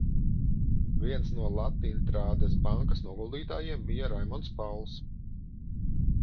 "Viens no "Latintrādes bankas" noguldītājiem bija Raimonds Pauls."